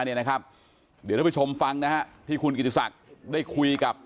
เดี๋ยวเราไปชมฟังที่คุณกิติศักดิ์ได้คุยกับ